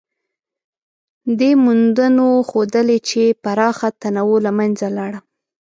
دې موندنو ښودلې، چې پراخه تنوع له منځه لاړه.